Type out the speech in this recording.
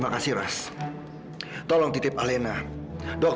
maka kamu sudah mau dipindah berhubung volts